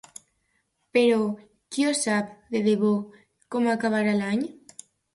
Però, qui ho sap, de debò, com acabarà l’any?